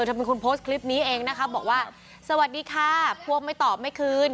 เธอเป็นคนโพสต์คลิปนี้เองนะคะบอกว่าสวัสดีค่ะพวกไม่ตอบไม่คืน